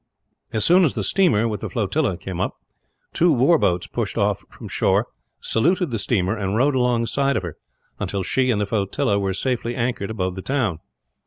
As soon as the steamer with the flotilla came up, two war boats pushed off from shore, saluted the steamer, and rowed alongside of her until she and the flotilla were safely anchored above the town.